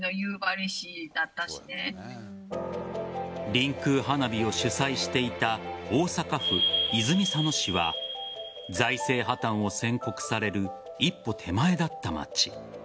りんくう花火を主催していた大阪府泉佐野市は財政破綻を宣告される一歩手前だった街。